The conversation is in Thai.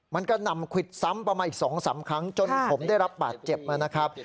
มันก็นำขวิดซ้ำมาอีก๒๓ครั้งจนผมได้รับบาดเจ็บมานะครับ